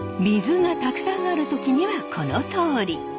水がたくさんある時にはこのとおり！